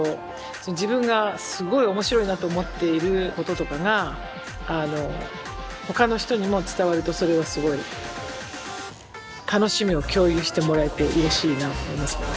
自分がすごい面白いなと思っていることとかがほかの人にも伝わるとそれはすごい楽しみを共有してもらえてうれしいなと思いますけどね。